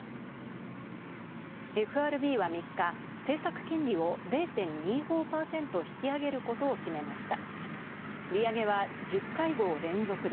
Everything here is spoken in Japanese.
ＦＲＢは３日、政策金利を０．２５％引き上げることを決めました。